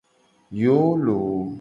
Yoo loo.